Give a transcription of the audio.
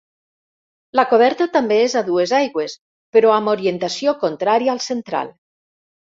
La coberta també és a dues aigües però amb orientació contrària al central.